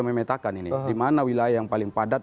memetakan ini di mana wilayah yang paling padat